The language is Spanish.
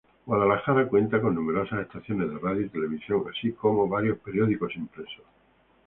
Guadalajara cuenta con numerosas estaciones de radio y televisión, así como varios periódicos impresos.